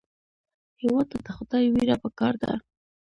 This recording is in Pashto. هېواد ته د خدای وېره پکار ده